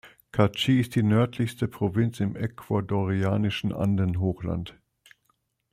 Carchi ist die nördlichste Provinz im ecuadorianischen Andenhochland.